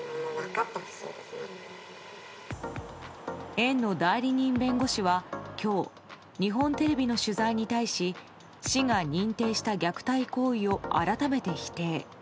園の代理人弁護士は今日、日本テレビの取材に対し市が認定した虐待行為を改めて否定。